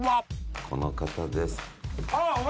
この方です。